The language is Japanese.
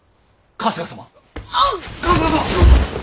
春日様！